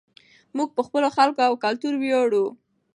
موږ په خپلو خلکو او کلتور ویاړو.